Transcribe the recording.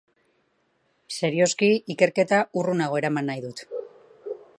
Serioski, ikerketa urrunago eraman nahi dut.